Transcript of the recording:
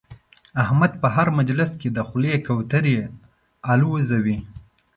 احمد په هر مجلس کې د خولې کوترې اولوزوي.